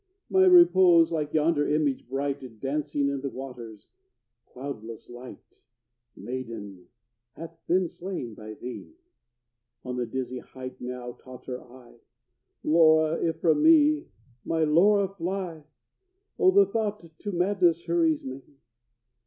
My repose, like yonder image bright, Dancing in the waters cloudless, light, Maiden, hath been slain by thee! On the dizzy height now totter I Laura if from me my Laura fly! Oh, the thought to madness hurries me!